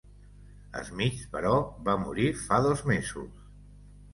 Smith, però va morir fa dos mesos.